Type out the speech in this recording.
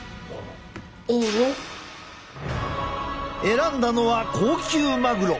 選んだのは高級マグロ。